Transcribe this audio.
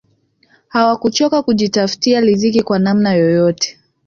hawakuchoka kujitafutia ridhiki kwa namna yoyote